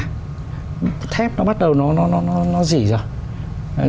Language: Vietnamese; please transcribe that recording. cốt thép nó bắt đầu nó dỉ rồi